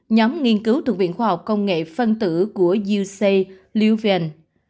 nhóm nghiên cứu thượng viện khoa học công nghệ phân tử của uc loven